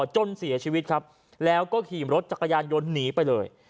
จนเสียชีวิตครับแล้วก็ขี่รถจักรยานยนต์หนีไปเลย